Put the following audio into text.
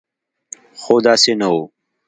خو داسې نه و.